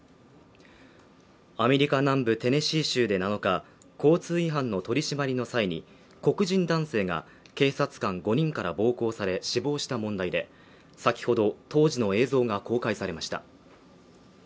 アメリカ南部テネシー州で７日交通違反の取締りの際に黒人男性が警察官５人から暴行され死亡した問題で先ほど当時の映像が公開されました